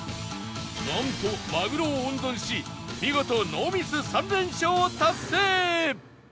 なんとまぐろを温存し見事ノーミス３連勝を達成